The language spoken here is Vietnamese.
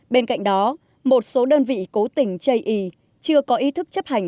bên cạnh đó một số đơn vị cố tình chây ý chưa có ý thức chấp hành